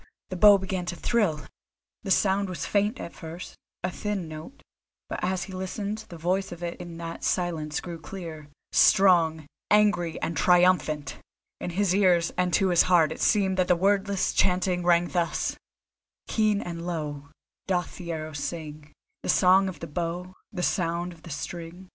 the bow began to thrill! The sound was faint at first, a thin note, but as he listened the voice of it in that silence grew clear, strong, angry and triumphant. In his ears and to his heart it seemed that the wordless chant rang thus: Keen and low Doth the arrow sing The Song of the Bow, The sound of the string.